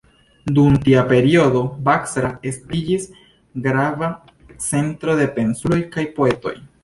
Dum tia periodo Basra estiĝis grava centro de pensuloj kaj poetoj.